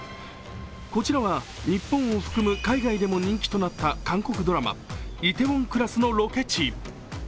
こちらは日本を含む海外でも人気となった韓国ドラマ「梨泰院クラス」のロケ地。